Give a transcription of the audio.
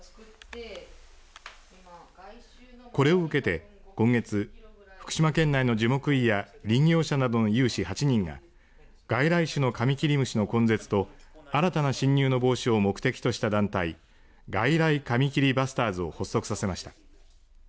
これを受けて今月福島県内の樹木医や林業者などの有志８人が外来種のカミキリムシの根絶と新たな侵入の防止を目的とした団体外来カミキリバスターズを発足しました。